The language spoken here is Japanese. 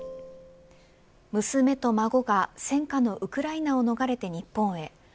娘と孫が戦火のウクライナを逃れて日本へ。